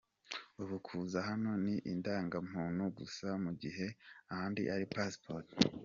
Ubu kuza hano ni indangamuntu gusa mu gihe ahandi ari passport”.